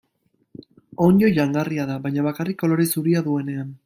Onddo jangarria da, baina bakarrik kolore zuria duenean.